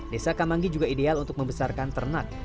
desa kamangi juga ideal untuk membesarkan ternak